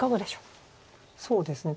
そうですね